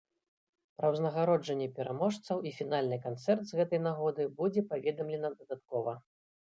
Пра ўзнагароджанне пераможцаў і фінальны канцэрт з гэтай нагоды будзе паведамлена дадаткова.